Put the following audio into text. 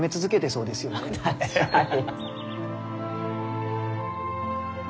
確かに！